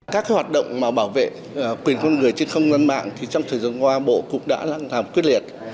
các hoạt động bảo vệ quyền con người trên không gian mạng thì trong thời gian qua bộ cũng đã làm quyết liệt